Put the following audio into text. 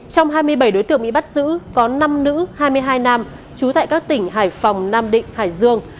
trong hai mươi bảy đối tượng bị bắt giữ có năm nữ hai mươi hai nam trú tại các tỉnh hải phòng nam định hải dương